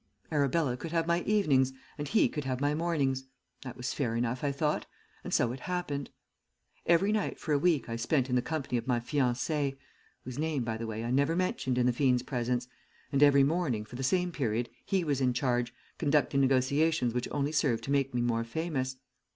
Arabella could have my evenings, and he could have my mornings. That was fair enough, I thought, and so it happened. Every night for a week I spent in the company of my fiancée, whose name, by the way, I never mentioned in the fiend's presence and every morning for the same period he was in charge, conducting negotiations which only served to make me more famous.